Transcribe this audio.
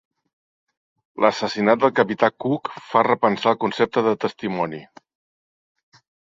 L'assassinat del capità Cook fa repensar el concepte de testimoni.